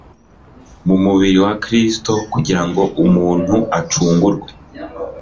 mu mubiri wa Kristo, kugira ngo umuntu acungurwe.